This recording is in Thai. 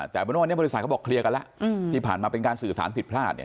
แต่เป็นว่าวันนี้บริษัทเขาบอกเคลียร์กันแล้วที่ผ่านมาเป็นการสื่อสารผิดพลาดเนี่ย